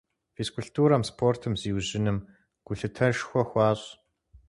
Физкультурэм, спортым зиужьыным гулъытэшхуэ хуащӀ.